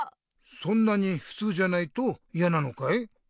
そんなにふつうじゃないといやなのかい？